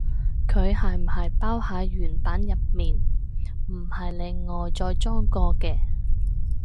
佢係唔係包喺原版入面，唔係另外再裝過嘅？